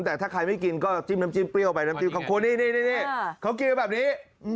แต่ถ้าใครไม่กินก็จิ้มน้ำจิ้มเปรี้ยวไปน้ำจิ้มเขาควรนี่เขากินไปแบบนี้